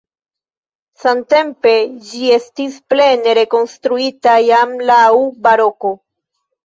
Samtempe ĝi estis plene rekonstruita jam laŭ baroko.